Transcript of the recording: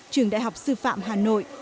trường đại học sư phạm hà nội